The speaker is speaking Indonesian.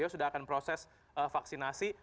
sudah akan proses vaksinasi